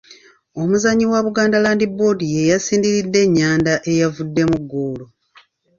Omuzannyi wa Buganda Land Board y'eyasindiridde ennyanda eyavuddemu ggoolo.